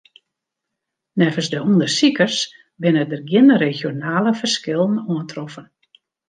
Neffens de ûndersikers binne der gjin regionale ferskillen oantroffen.